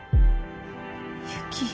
雪。